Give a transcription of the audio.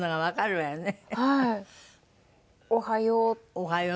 「おはよう」。